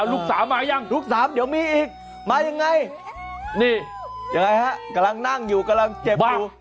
ลูกสาวมายังลูกสาวเดี๋ยวมีอีกมายังไงนี่ยังไงฮะกำลังนั่งอยู่กำลังเจ็บอยู่